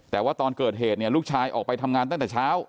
แต่ว่าตอนเกิดเหตุเนี่ยลูกชายออกไปทำงานตั้งแต่เช้า